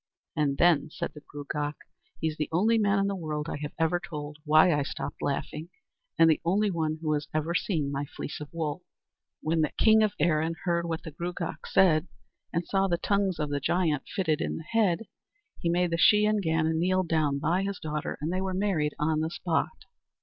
"And then," said the Gruagach "he's the only man in the whole world I have ever told why I stopped laughing, and the only one who has ever seen my fleece of wool." When the king of Erin heard what the Gruagach said, and saw the tongues of the giant fitted in the head, he made the Shee an Gannon kneel down by his daughter, and they were married on the spot.